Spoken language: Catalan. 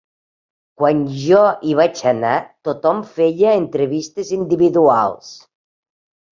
Quan jo hi vaig anar tothom feia entrevistes individuals.